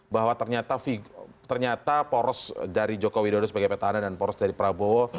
bahwa ternyata poros dari joko widodo sebagai petahana dan poros dari prabowo